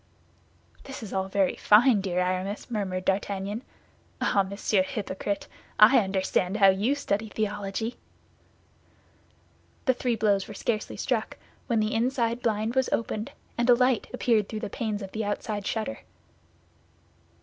"This is all very fine, dear Aramis," murmured D'Artagnan. "Ah, Monsieur Hypocrite, I understand how you study theology." The three blows were scarcely struck, when the inside blind was opened and a light appeared through the panes of the outside shutter.